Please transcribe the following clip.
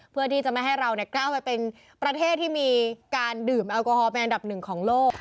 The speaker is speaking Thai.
เพื่อที่จะไม่ให้เราก้าวไปเป็นประเทศที่มีการดื่มแอลกอฮอลเป็นอันดับหนึ่งของโลก